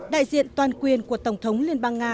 đại diện toàn quyền của tổng thống liên bang nga